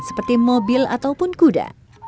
seperti mobil ataupun kuda